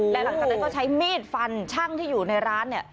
และหลังจากนั้นก็ใช้มีดฟันช่างที่อยู่ในร้านเนี่ย